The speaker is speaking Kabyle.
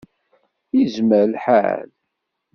Yezmer lḥal.